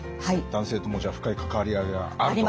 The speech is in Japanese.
男性ともじゃあ深い関わり合いがあると。